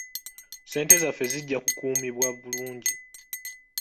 Ssente zaffe zijja kukuumibwa bulungi.